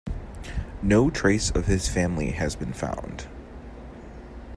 No trace of his family has been found.